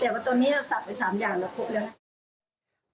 แต่วันตอนนี้ศักดิ์ไป๓อย่างแล้วครบเลย